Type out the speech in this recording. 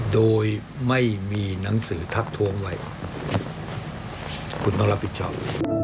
โดยไม่มีหนังสือทักท้วงไว้คุณต้องรับผิดชอบ